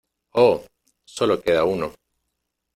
¡ Oh! Sólo queda uno.